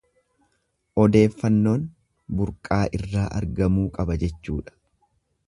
Odeeffannoon burqaa irraa argamuu qaba jechuudha.